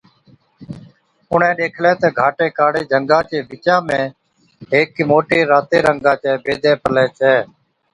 اُڻهين ڏيکلي تہ گھاٽي ڪاڙي جھنگا چي بِچا ۾ هيڪ موٽَي راتي رنگا چَي بيدَي پلَي ڇي۔